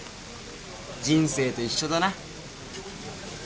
人生と一緒だな。